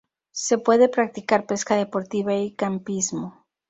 Se puede practicar pesca deportiva y campismo.